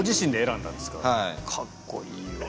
かっこいいわ。